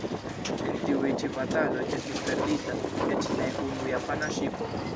En tiuj ĉi bataloj estis perdita eĉ ne unu japana ŝipo.